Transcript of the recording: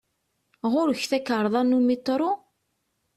Ɣur-k takarḍa n umitṛu?